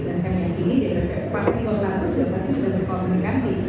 dan saya mengingat ini partai gulkar ayrin rahmi juga pasti sudah berkomunikasi